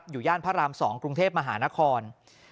ย่านพระราม๒กรุงเทพมหานคร